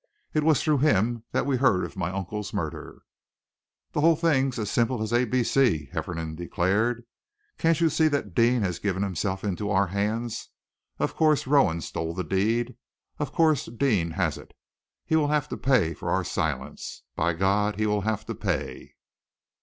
It was through him that we heard of my uncle's murder." "The whole thing's as simple as A B C," Hefferom declared. "Can't you see that Deane has given himself into our hands? Of course Rowan stole the deed! Of course Deane has it! He will have to pay for our silence! By God, he will have to pay!"